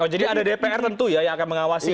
oh jadi ada dpr tentu ya yang akan mengawasi